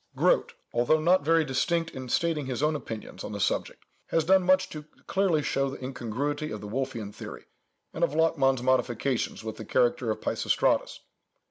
Grote, although not very distinct in stating his own opinions on the subject, has done much to clearly show the incongruity of the Wolfian theory, and of Lachmann's modifications with the character of Peisistratus.